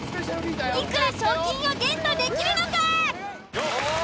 ［幾ら賞金をゲットできるのか！？］